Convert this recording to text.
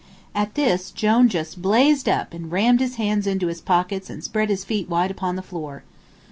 At this Jone just blazed up and rammed his hands into his pockets and spread his feet wide upon the floor.